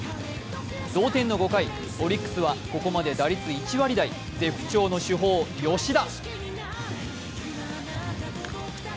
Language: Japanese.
同点の５回、オリックスはここまで打率１割台絶不調の主砲・吉田。